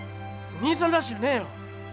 兄さんらしゅうねえよ。